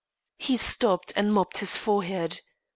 He stopped and mopped his forehead.